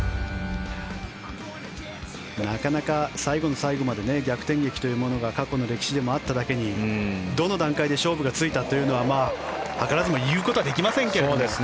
なかなか最後の最後まで逆転劇というものが過去の歴史でもあっただけにどの段階で勝負がついたというのは図らずも言うことはできませんけど。